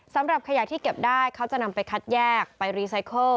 สำหรับขยะที่เก็บได้เขาจะนำไปคัดแยกไปรีไซเคิล